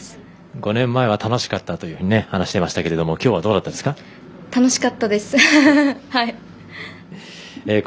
５年前は楽しかったというふうに話してましたけどきょうはどうでしたか？